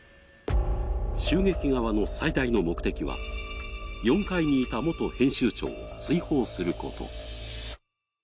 襲撃側の最大の目的は、４階にいた元編集長を追放すること。